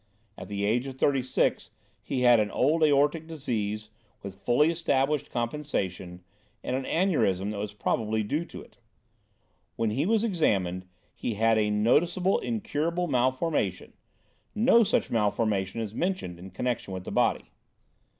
At the age of thirty six, he had old aortic disease, with fully established compensation, and an aneurism that was possibly due to it. When he was examined he had a noticeable incurable malformation; no such malformation is mentioned in connection with the body.